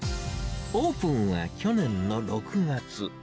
オープンは去年の６月。